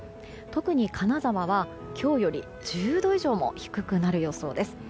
特に金沢は、今日より１０度以上も低くなる予想です。